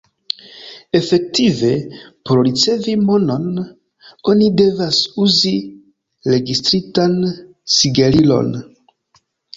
Efektive, por ricevi monon, oni devas uzi registritan sigelilon.